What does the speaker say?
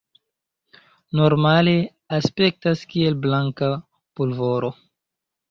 Normale aspektas kiel blanka pulvoro.